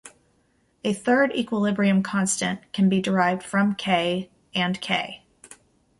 A third equilibrium constant can be derived from "K" and "K".